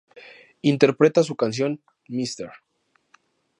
Interpreta su canción ""Mr.